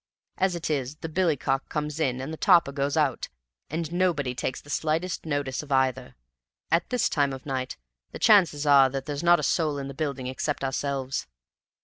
As it is, the billy cock comes in and the topper goes out, and nobody takes the slightest notice of either; at this time of night the chances are that there's not a soul in the building except ourselves."